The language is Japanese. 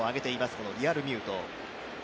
このリアルミュート。